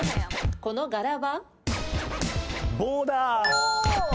この柄は？